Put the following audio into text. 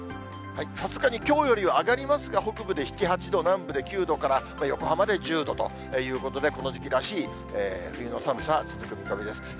さすがにきょうより上がりますが、北部で７、８度、南部で９度から、横浜で１０度ということで、この時期らしい冬の寒さが続く見込みです。